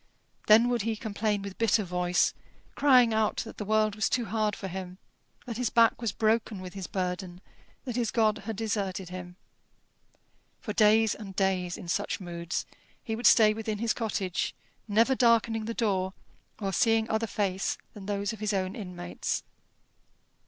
Then would he complain with bitter voice, crying out that the world was too hard for him, that his back was broken with his burden, that his God had deserted him. For days and days, in such moods, he would stay within his cottage, never darkening the door or seeing other face than those of his own inmates.